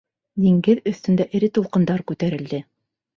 Диңгеҙ өҫтөндә эре тулҡындар күтәрелде.